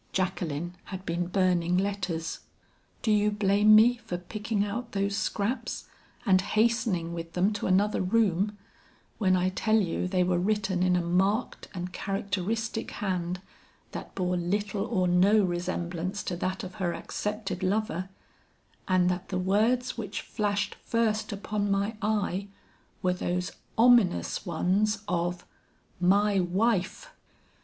"Jacqueline had been burning letters. Do you blame me for picking out those scraps and hastening with them to another room, when I tell you they were written in a marked and characteristic hand that bore little or no resemblance to that of her accepted lover, and that the words which flashed first upon my eye were those ominous ones of my wife!